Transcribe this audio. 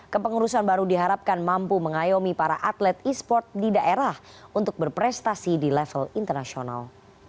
kepengurusan baru diharapkan mampu mengayomi para atlet e sport di daerah untuk berprestasi di level internasional